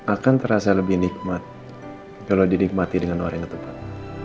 akan terasa lebih nikmat kalau dinikmati dengan orang yang tepat